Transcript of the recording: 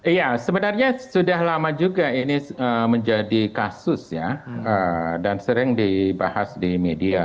iya sebenarnya sudah lama juga ini menjadi kasus ya dan sering dibahas di media